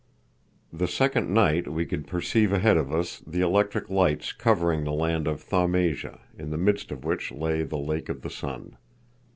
The second night we could perceive ahead of us the electric lights covering the land of Thaumasia, in the midst of which lay the Lake of the Sun.